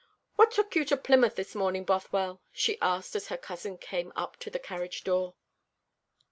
What took you to Plymouth this morning, Bothwell?" she asked, as her cousin came up to the carriage door.